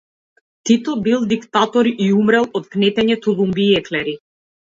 Тито бил диктатор и умрел од гнетење тулумби и еклери.